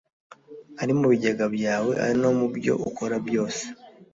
ari mu bigega byawe, ari no mu byo ukora byose,